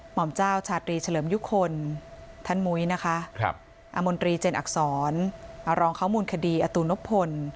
หม่อมเจ้าชาตรีเฉลิมยุคคลท่านมุยอเจนอักษรรองข้าวมูลคดีอนพล